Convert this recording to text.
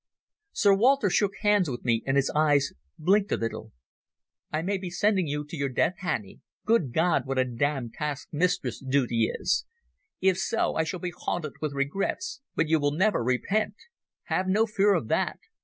Sir Walter shook hands with me and his eyes blinked a little. "I may be sending you to your death, Hannay—Good God, what a damned task mistress duty is!—If so, I shall be haunted with regrets, but you will never repent. Have no fear of that.